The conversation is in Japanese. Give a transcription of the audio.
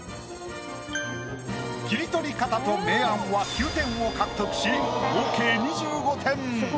切り取り方と明暗は９点を獲得し合計２５点。